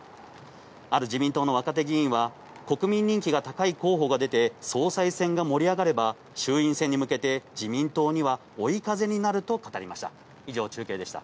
ある自民党の若手議員は、国民人気が高い候補が出て、総裁選が盛り上がれば、衆院選に向けて自民党には追い風になると語りました。